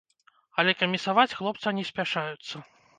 Але камісаваць хлопца не спяшаюцца.